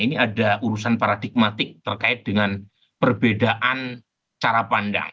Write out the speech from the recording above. ini ada urusan paradigmatik terkait dengan perbedaan cara pandang